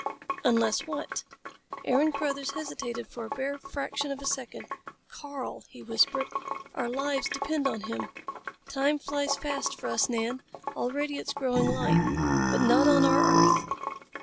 "Unless what?" Aaron Carruthers hesitated for a bare fraction of a second. "Karl!" he whispered. "Our lives depend on him. Time flies fast for us, Nan. Already it is growing light. But not on our earth.